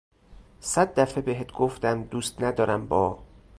صد دفه بهت گفتم دوست ندارم با